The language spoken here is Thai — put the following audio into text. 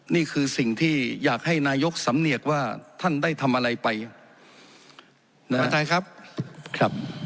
นี่คือสิ่งที่อยากให้นายกสำเนียกว่าท่านได้ทำอะไรไปท่านประธานครับครับ